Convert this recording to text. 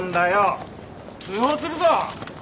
通報するぞ！